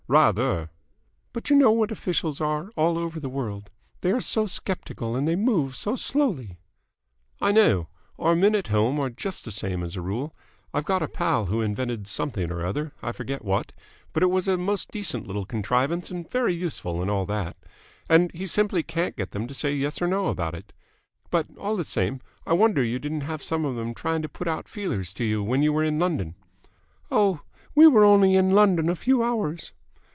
"Rather!" "But you know what officials are all over the world. They are so sceptical and they move so slowly." "I know. Our men at home are just the same as a rule. I've got a pal who invented something or other, I forget what, but it was a most decent little contrivance and very useful and all that; and he simply can't get them to say Yes or No about it. But, all the same, I wonder you didn't have some of them trying to put out feelers to you when you were in London." "Oh, we were only in London a few hours.